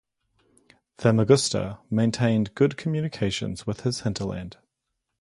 Famagusta maintained good communications with this hinterland.